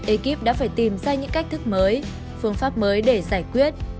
ekip đã phải tìm ra những cách thức mới phương pháp mới để giải quyết